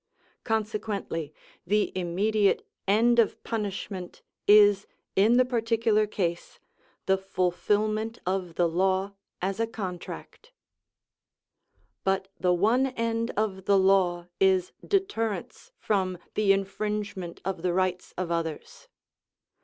Consequently the immediate end of punishment is, in the particular case, the fulfilment of the law as a contract. But the one end of the law is deterrence from the infringement of the rights of others.